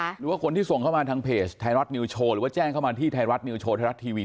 หรือคนที่ส่งเข้ามาทางเพจทละมีวช่อแจ้งเข้ามาที่ทละทีวี